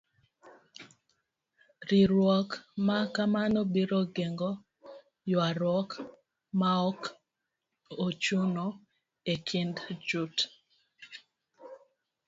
Riwruok ma kamano biro geng'o yuaruok maok ochuno e kind joot.